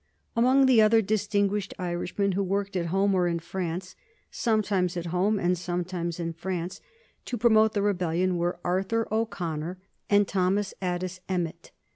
Among the other distinguished Irishmen who worked at home or in France sometimes at home and sometimes in France to promote the rebellion were Arthur O'Connor and Thomas Addis Emmet.